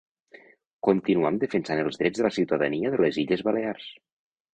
Continuam defensant els Drets de la ciutadania de les Illes Balears.